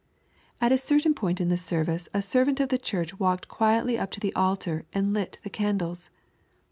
At a certain point of the service a servant of the Church walked quietly up to the altar and lit the candles.